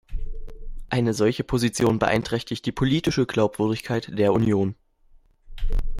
Eine solche Position beeinträchtigt die politische Glaubwürdigkeit der Union.